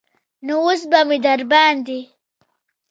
نو اوس به مې درباندې.